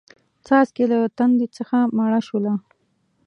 څاڅکې له تندې څخه مړه شوله